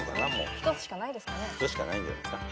１つしかないんじゃないですか。